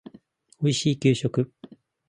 おいしい給食